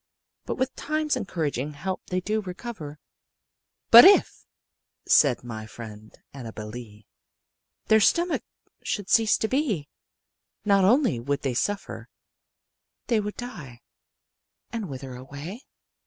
But with time's encouraging help they do recover. But if," said my friend Annabel Lee, "their stomach should cease to be, not only would they suffer they would die and whither away?